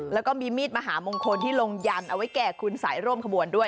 แล้วก็มีมีดมหามงคลที่ลงยันเอาไว้แก่คุณสายร่วมขบวนด้วย